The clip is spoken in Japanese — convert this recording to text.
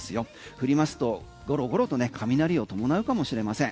降りますとゴロゴロと雷を伴うかもしれません。